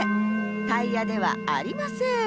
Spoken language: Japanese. タイヤではありません。